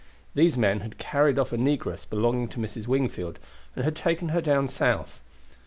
These men had carried off a negress belonging to Mrs. Wingfield, and had taken her down South.